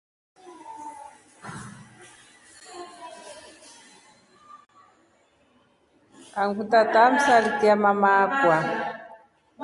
Angu tata alimsatia mma akwa.